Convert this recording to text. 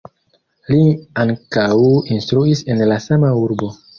Li ankaŭ instruis en la sama urbo.